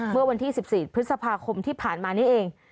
เมื่อวันที่๑๔พฤษภาคมที่ผ่านมานี้เอง